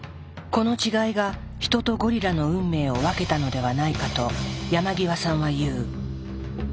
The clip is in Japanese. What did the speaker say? この違いが人とゴリラの運命を分けたのではないかと山極さんは言う。